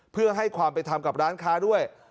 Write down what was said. เพื่อให้ความไปทำกับร้านค้าด้วย